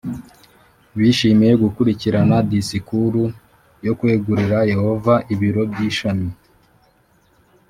bishimiye gukurikirana disikuru yo kwegurira yehova ibiro by ishami